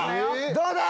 どうだ？